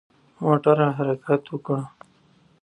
موټر حرکت وکړ.